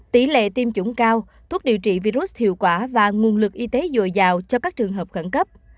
tỷ lệ tiêm chủng cao thuốc điều trị virus hiệu quả và nguồn lực y tế dồi dào cho các trường hợp khẩn cấp